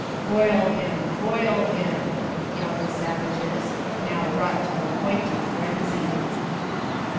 'Boil him, boil him,' yelled the savages, now wrought to the point of frenzy."